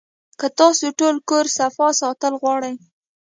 کۀ تاسو ټول کور صفا ساتل غواړئ